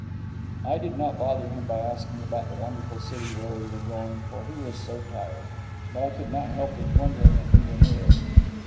I did not bother him by asking about the wonderful city where we were going, for he was so tired. But I could not help wondering if we were near it.